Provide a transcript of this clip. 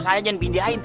saya jangan pindahin